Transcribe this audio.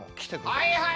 はいはい！